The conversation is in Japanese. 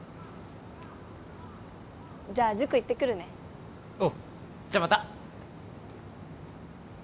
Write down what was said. じゃあ塾行ってくるねおうじゃあまた！